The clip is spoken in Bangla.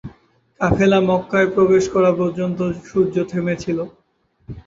কাফেলা মক্কায় প্রবেশ করা পর্যন্ত সূর্য থেমে ছিল।